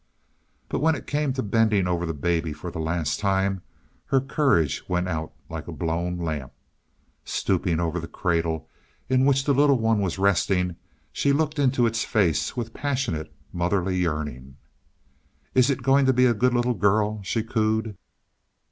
But when it came to bending over her baby for the last time her courage went out like a blown lamp. Stooping over the cradle in which the little one was resting, she looked into its face with passionate, motherly yearning. "Is it going to be a good little girl?" she cooed.